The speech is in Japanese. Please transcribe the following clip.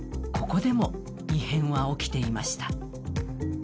ここでも異変は起きていました。